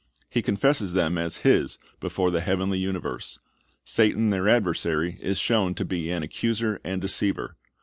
He confesses them as His before the heavenly universe. Satan their adversary is shown to be an accuser and deceiver.